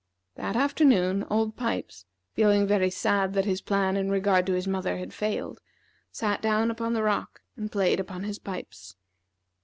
That afternoon, Old Pipes, feeling very sad that his plan in regard to his mother had failed, sat down upon the rock and played upon his pipes.